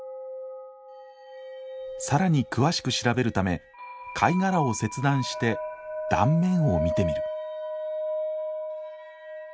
更に詳しく調べるため貝殻を切断して断面を見てみる。